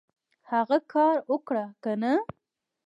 هغه کار اوکړه کنه !